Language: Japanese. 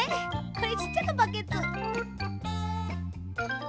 これちっちゃなバケツ。